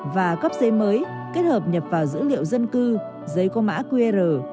và cấp giấy mới kết hợp nhập vào dữ liệu dân cư giấy có mã qr